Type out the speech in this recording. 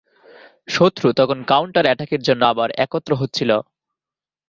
শত্রু তখন কাউন্টার অ্যাটাকের জন্য আবার একত্র হচ্ছিল।